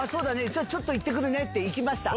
ちょっと行ってくるねって行きました。